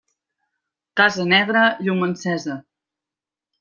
Casa negra, llum encesa.